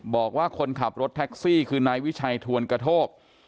บอกว่าคนขับรถแท็กซี่คือนายวิชัยทวนกระโทก